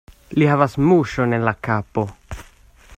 Li havas muŝon en la kapo.